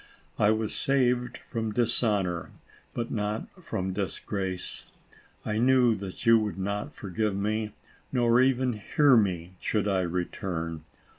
I was saved from dishonor, but not from disgrace, and I knew that you would not forgive me, nor even hear me, should I return.